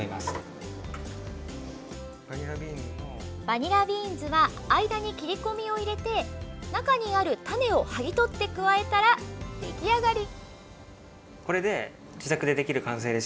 バニラビーンズは間に切り込みを入れて中にある種をはぎ取って加えたら出来上がり。